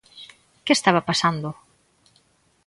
¿Que estaba pasando?